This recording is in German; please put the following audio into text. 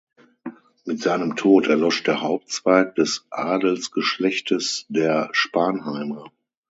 Mit seinem Tod erlosch der Hauptzweig des Adelsgeschlechtes der Spanheimer.